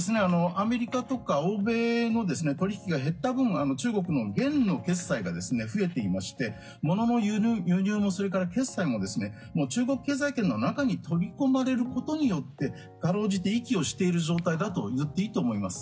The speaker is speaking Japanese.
アメリカとか欧米の取引が減った分中国の元の決済が増えていまして物の輸入も、それから決済も中国経済圏の中に取り込まれることによって辛うじて息をしている状態だと言っていいと思います。